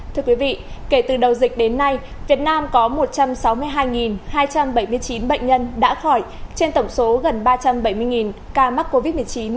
thưa quý vị kể từ đầu dịch đến nay việt nam có một trăm sáu mươi hai hai trăm bảy mươi chín bệnh nhân đã khỏi trên tổng số gần ba trăm bảy mươi ca mắc covid một mươi chín